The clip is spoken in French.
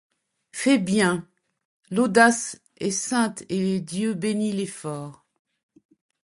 Fait bien. L’audace est sainte et Dieu bénit l’effort.